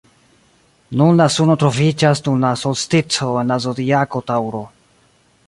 Nun la suno troviĝas dum la solstico en la zodiako Taŭro.